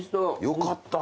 よかった。